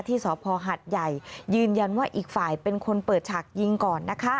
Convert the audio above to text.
สพหัดใหญ่ยืนยันว่าอีกฝ่ายเป็นคนเปิดฉากยิงก่อนนะคะ